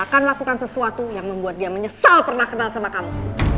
dan lakukan sesuatu yang membuat dia menyesal pernah kenal sama kamu